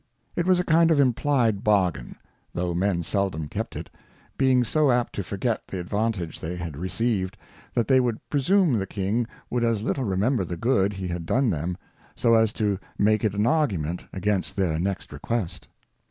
It was a kind of implied bargain ; though Men seldom kept it, being so apt to forget the advantage they had received, that they would presume the King would as little remember the good he had done them, so as to make it an Argument against their next Request.